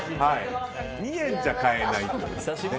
２円じゃ買えない。